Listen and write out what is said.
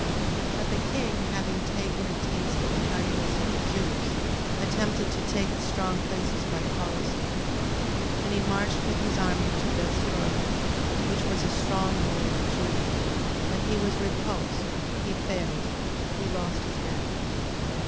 13:18. But the king having taken a taste of the hardiness of the Jews, attempted to take the strong places by policy: 13:19. And he marched with his army to Bethsura, which was a strong hold of the Jews: but he was repulsed, he failed, he lost his men.